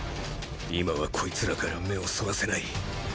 今はこいつらから目を逸らせない。